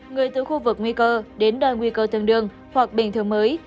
người từ khu vực nguy cơ đến nơi nguy cơ tương đương hoặc bình thường mới